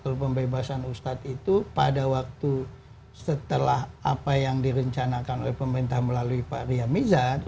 atau pembebasan ustadz itu pada waktu setelah apa yang direncanakan oleh pemerintah melalui pak ria mizar